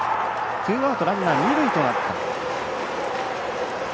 ツーアウト、ランナー二塁となった。